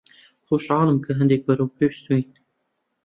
خۆشحاڵم کە هەندێک بەرەو پێش چووین.